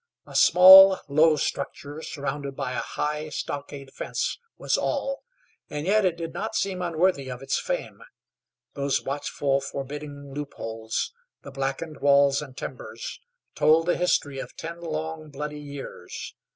A small, low structure surrounded by a high stockade fence was all, and yet it did not seem unworthy of its fame. Those watchful, forbidding loopholes, the blackened walls and timbers, told the history of ten long, bloody years.